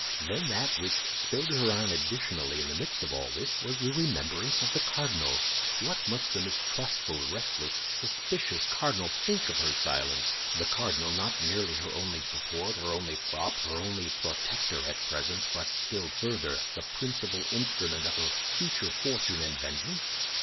Then that which spurred her on additionally in the midst of all this was the remembrance of the cardinal. What must the mistrustful, restless, suspicious cardinal think of her silence—the cardinal, not merely her only support, her only prop, her only protector at present, but still further, the principal instrument of her future fortune and vengeance?